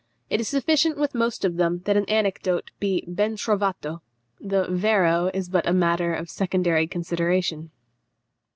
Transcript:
It is sufficient with most of them that an anecdote be ben trovato; the vero is but matter of secondary consideration.